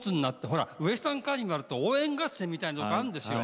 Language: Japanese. ほらウエスタンカーニバルって応援合戦みたいなとこあるんです。